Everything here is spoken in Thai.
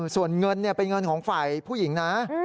ส่วนเงินเป็นเงินของฝ่ายผู้หญิงนะ